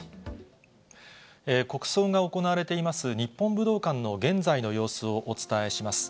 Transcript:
国葬が行われています日本武道館の現在の様子をお伝えします。